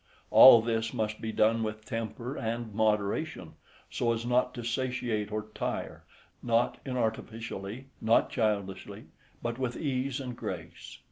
All this must be done with temper and moderation, so as not to satiate or tire, not inartificially, not childishly, but with ease and grace.